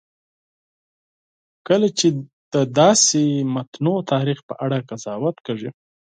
کله چې د داسې متنوع تاریخ په اړه قضاوت کېږي.